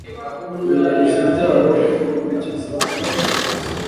Kuringaniza imbyaro no gukurikiza abana bakuze